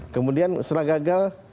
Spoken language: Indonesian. kemudian setelah gagal